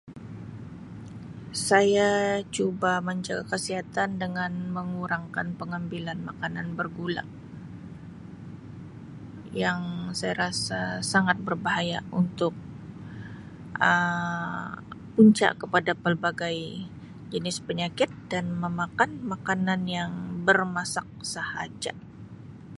Saya cuba menjaga kesihatan dengan mengurangkan pengambilan bergula yang saya rasa sangat berbahaya untuk Um punca kepada pelbagai jenis penyakit dan memakan makanan yang bermasak sahaja.